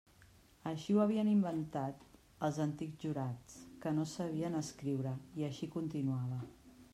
Així ho havien inventat els antics jurats, que no sabien escriure, i així continuava.